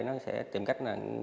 nó sẽ tìm cách